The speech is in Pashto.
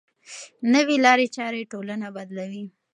نوې لارې چارې ټولنه بدلوي.